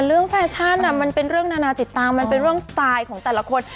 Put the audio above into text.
แฟชั่นมันเป็นเรื่องนานาติดตามมันเป็นเรื่องสไตล์ของแต่ละคน